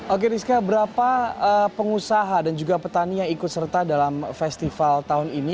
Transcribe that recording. oke rizka berapa pengusaha dan juga petani yang ikut serta dalam festival tahun ini